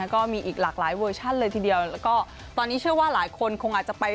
ก็มีอีกหลากหลายเวอร์ชั่นเลยทีเดียวแล้วก็ตอนนี้เชื่อว่าหลายคนคงอาจจะไป